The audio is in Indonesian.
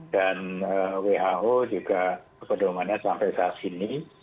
dan who juga pedulungannya sampai saat ini